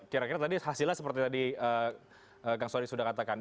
kira kira tadi hasilnya seperti tadi kang sodik sudah katakan